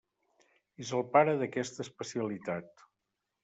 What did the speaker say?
És el pare d'aquesta especialitat.